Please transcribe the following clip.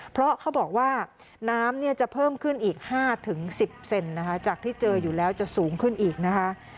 เพราะเขาบอกว่าน้ำเนี่ยจะเพิ่มขึ้นอีก๕๑๐เซนนะคะจากที่เจออยู่แล้วจะสูงขึ้นอีกนะคะ